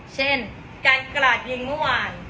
เช่นการกราดยิงเมื่อวาน